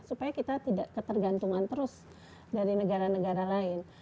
supaya kita tidak ketergantungan terus dari negara negara lain